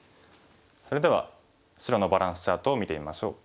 それでは白のバランスチャートを見てみましょう。